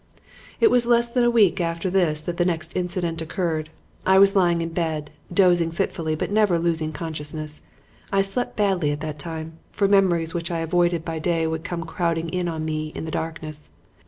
"It was less than a week after this that the next incident occurred. I was lying in bed, dozing fitfully but never losing consciousness. I slept badly at that time, for memories which I avoided by day would come crowding on me in the darkness.